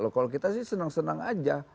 kalau kita sih senang senang aja